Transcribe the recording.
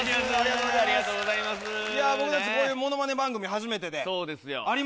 僕たちこういうものまね番組初めてで。